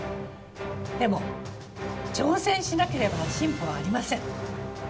でも挑戦しなければ進歩はありません。